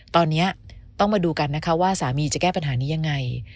ตอนนี้ต้องมาดูกันนะคะว่าสามีจะแก้ปัญหานี้ยังไง